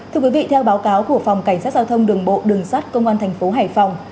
thưa quý vị theo báo cáo của phòng cảnh sát giao thông đường bộ đường sát công an thành phố hải phòng